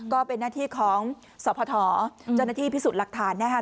ก็เป็นหน้าที่ของสพเจ้าหน้าที่พิสูจน์หลักฐานนะครับ